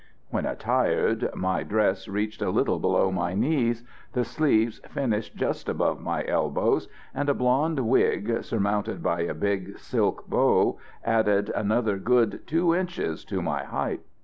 When attired, my dress reached a little below my knees, the sleeves finished just above my elbows, and a blonde wig, surmounted by a big silk bow, added another good two inches to my height.